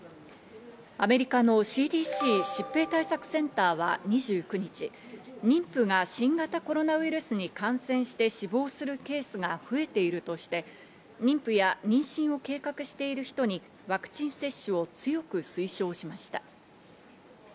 アメリカのＣＤＣ＝疾病対策センターは２９日、妊婦が新型コロナウイルスに感染して死亡するケースが増えているとして、妊婦や妊娠を計画している人にワクチン接種を強く推奨しました。